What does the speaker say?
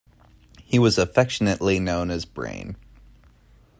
He was affectionately known as "Brain".